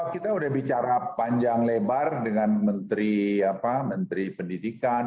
kita udah bicara panjang lebar dengan menteri pendidikan